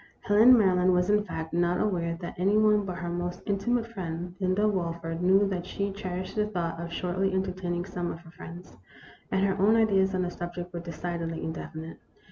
Helen Maryland was, in fact, not aware that any one but her most intimate friend, Linda Walford, knew that she cherished the thought of shortly entertaining some of her friends, and her own ideas on the subject were decidedly indefinite.